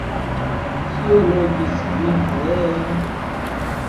Kio logis vin reen?